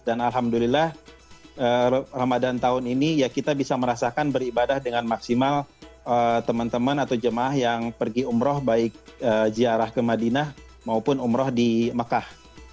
dan alhamdulillah ramadhan tahun ini ya kita bisa merasakan beribadah dengan maksimal teman teman atau jamaah yang pergi umroh baik ziarah ke madinah maupun umroh di makkah